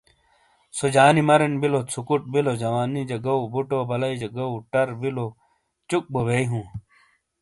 سو جانی مرن بیلو، ژوکوٹ بیلو، جوانیجا گو، بوٹو بلائیجا گو، ٹر بیلوں، چوک بو بئ ہوں۔